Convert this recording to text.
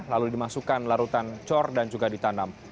lalu dimasukkan larutan cor dan juga ditanam